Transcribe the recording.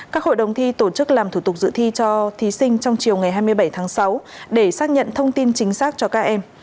các hội đồng thi tổ chức làm thủ tục dự thi cho thí sinh trong chiều ngày hai mươi bảy tháng sáu để xác nhận thông tin chính xác cho các em